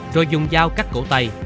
rồi dùng dao cắt cổ tay